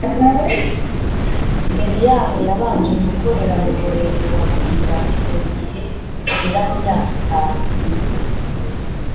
Mbere yaho yabanje gukorera mu murenge wa Mushubati mu gihe kigera ku myaka itanu